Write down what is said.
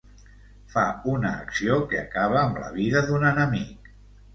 Fa una acció que acaba amb la vida d'un enemic.